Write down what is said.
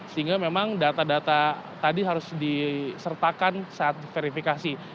sehingga memang data data tadi harus disertakan saat verifikasi